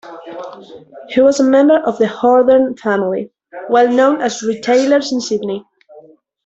He was a member of the Hordern family, well known as retailers in Sydney.